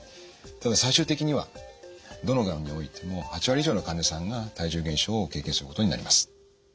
ただ最終的にはどのがんにおいても８割以上の患者さんが体重減少を経験することになります。